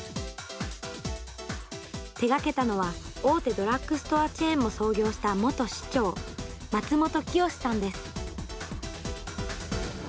手がけたのは大手ドラッグストアチェーンも創業した元市長松本清さんです。